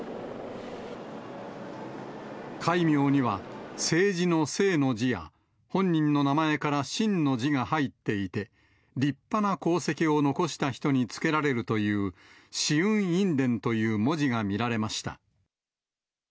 戒名には、政治の政の字や、本人の名前から晋の字が入っていて、立派な功績を残した人に付けられるという紫雲院殿という文字が見られました。